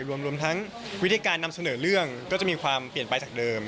รวมทั้งวิธีการนำเสนอเรื่องก็จะมีความเปลี่ยนไปจากเดิม